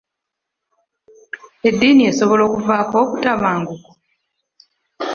Eddiini esobola okuvaako obutabanguko?